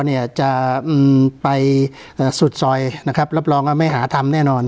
เนี่ยจะอืมไปเอ่อสุดซอยนะครับรับรองว่าไม่หาธรรมแน่นอน